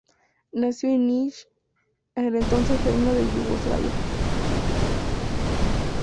Nació en Niš en el entonces Reino de Yugoslavia.